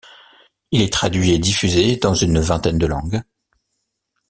Il est traduit et diffusé dans une vingtaine de langues.